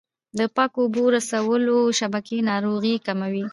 د پاکو اوبو رسولو شبکې ناروغۍ کموي.